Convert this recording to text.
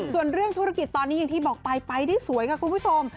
ส่วนเรื่องธุรกิจตอนนี้อย่างที่บอกไปไปได้สวยค่ะคุณผู้ชม